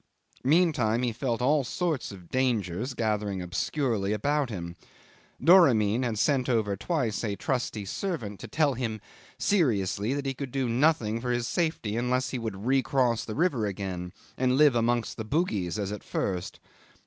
Meantime he felt all sorts of dangers gathering obscurely about him. Doramin had sent over twice a trusty servant to tell him seriously that he could do nothing for his safety unless he would recross the river again and live amongst the Bugis as at first.